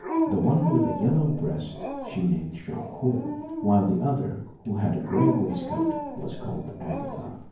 The one with a yellow breast she named Jonquil; while the other, who had a grey waistcoat, was called Agatha.